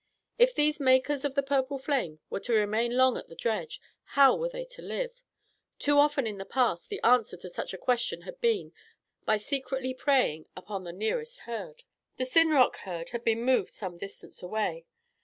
If these makers of the purple flame were to remain long at the dredge, how were they to live? Too often in the past, the answer to such a question had been, "By secretly preying upon the nearest herd." The Sinrock herd had been moved some distance away.